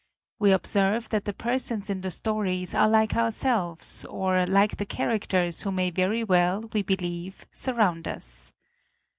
We observe that the persons in the stories are like ourselves, or like the characters who may very well, we believe, sur round us.